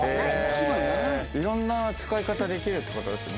いろんな使い方できるってことですよね？